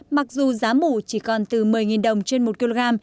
mặc dù giá mủ chỉ còn từ một mươi đồng trên một kg